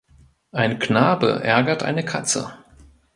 Ein Knabe ärgert eine Katze.